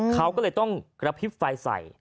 เขาก็เลยต้องกระพริบไฟใส่